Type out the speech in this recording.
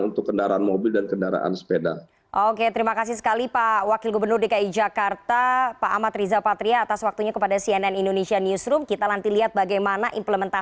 untuk kendaraan mobil dan kendaraan sepeda